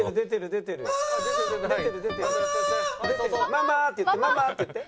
「“ママー”って言って“ママー”って言って」。